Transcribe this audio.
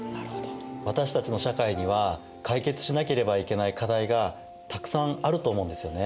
私たちの社会には解決しなければいけない課題がたくさんあると思うんですよね。